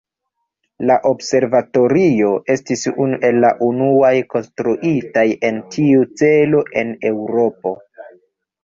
La observatorio estis unu el la unuaj konstruitaj en tiu celo en Eŭropo.